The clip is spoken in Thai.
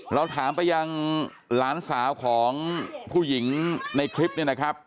เราถามไปยังหลานสาวของผู้หญิงในคลิปนี้นะครับ